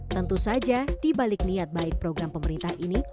tentu saja dibalik niat baik program pemerintah ini